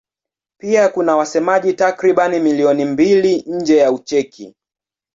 Pia kuna wasemaji takriban milioni mbili nje ya Ucheki.